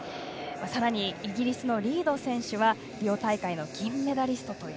さらに、イギリスのリード選手はリオ大会の銀メダリスト。